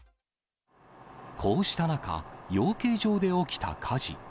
こうした中、養鶏場で起きた火事。